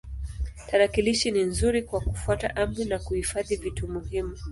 Tarakilishi ni nzuri kwa kufuata amri na kuhifadhi vitu muhimu.